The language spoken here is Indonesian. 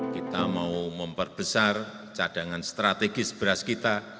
kita mau memperbesar cadangan strategis beras kita